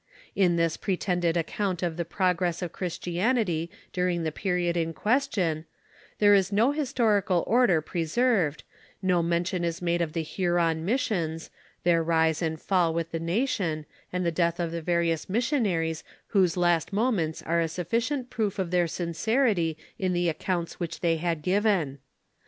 In this pretended account of the progress of Christianity during the period in question, there is no historical order pre served, no mention is made of the Huron missions, their rise and fall with the nation, and the death of the various niissidnaries whose last moments are a suf ficient proof of their sincerity in the accounts which they had given.